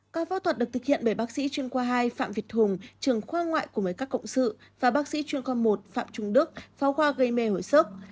các phô thuật được thực hiện bởi bác sĩ chuyên khoa hai phạm việt hùng trường khoa ngoại của mấy các cộng sự và bác sĩ chuyên khoa một phạm trung đức pháo khoa gây mê hồi sức